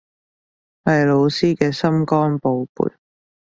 係老師嘅心肝寶貝